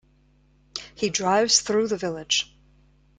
He drives through the village.